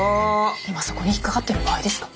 今そこに引っ掛かってる場合ですか？